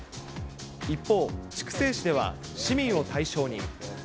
一方、筑西市では市民を対象に。